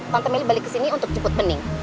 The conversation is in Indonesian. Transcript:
tante melly balik ke sini untuk cepat bening